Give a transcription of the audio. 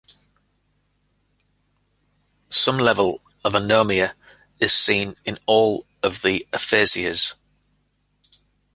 Some level of anomia is seen in all of the aphasias.